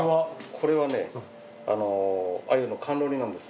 これはね鮎の甘露煮なんです。